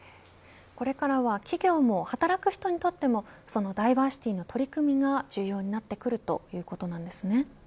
これからは企業も働く人にとってもそのダイバーシティーの取り組みが重要になってくるということなんですね。